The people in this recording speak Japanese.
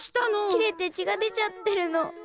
切れてちが出ちゃってるの。